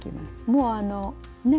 もうあのね